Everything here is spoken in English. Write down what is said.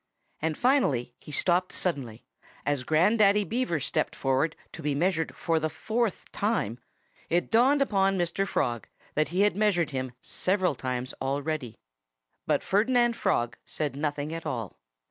And finally he stopped suddenly. As Grandaddy Beaver stepped forward to be measured for the fourth time it dawned upon Mr. Frog that he had measured him several times already. But Ferdinand Frog said nothing at all.